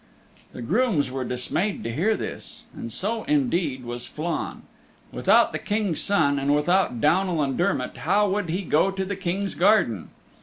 The grooms were dismayed to hear this, and so indeed was Flann. Without the King's Son and without Downal and Dermott how would he go to the King's Garden?